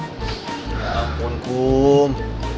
ya ampun kum